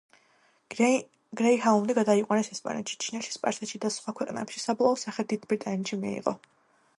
გრეიჰაუნდი გადაიყვანეს ესპანეთში, ჩინეთში, სპარსეთში, და სხვა ქვეყნებში, საბოლოო სახე დიდ ბრიტანეთში მიიღო.